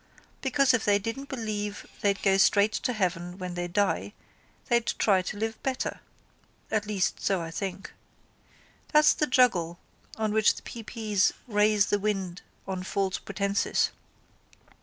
Because if they didn't believe they'd go straight to heaven when they die they'd try to live better, at least so I think. That's the juggle on which the p.p.'s raise the wind on false pretences.